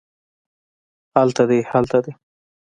هلته دی هلته دي